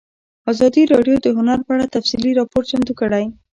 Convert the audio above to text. ازادي راډیو د هنر په اړه تفصیلي راپور چمتو کړی.